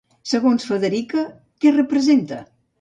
Segons Federica, què representa?